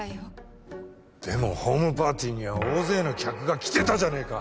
でもホームパーティーには大勢の客が来てたじゃねえか。